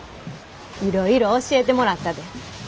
いろいろ教えてもらったで。